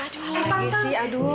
aduh gizi aduh